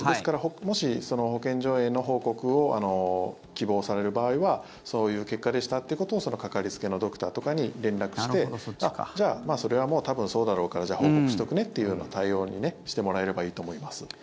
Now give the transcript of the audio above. もし、保健所への報告を希望される場合はそういう結果でしたということをかかりつけのドクターとかに連絡してそれは、多分そうだろうから報告しておくねっていう対応にしてもらえればいいと思います。